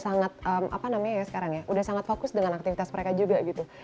sangat apa namanya ya sekarang ya udah sangat fokus dengan aktivitas mereka juga gitu